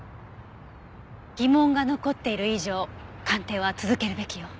疑問が残っている以上鑑定は続けるべきよ。